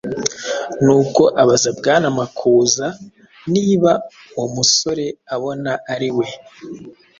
Nuko abaza Bwana Makuza niba uwo musore abona ari we